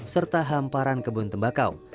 serta hamparan kebun tembakau